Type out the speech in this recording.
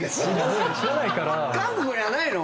韓国にはないの？